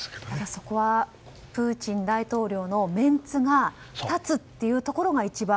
そこはプーチン大統領のメンツが立つというところが一番。